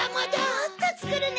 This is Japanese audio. もっとつくるネ。